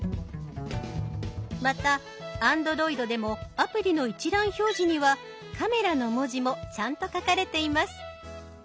またＡｎｄｒｏｉｄでもアプリの一覧表示には「カメラ」の文字もちゃんと書かれています。